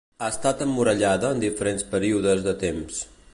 Ha estat emmurallada en diferents períodes de temps.